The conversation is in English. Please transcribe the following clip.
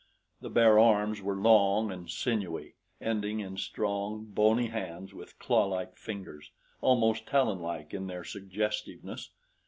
The bare arms were long and sinewy, ending in strong, bony hands with clawlike fingers almost talonlike in their suggestiveness.